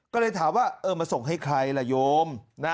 ก็เลยถามว่าเออมาส่งให้ใครล่ะโยม